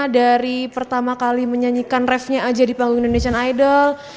dari pertama kali menyanyikan refnya aja di panggung indonesian idol